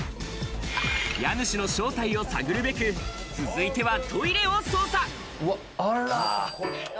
家主の正体を探るべく、続いてはトイレを捜査。